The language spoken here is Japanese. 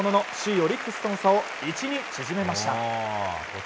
オリックスとの差を１に縮めました。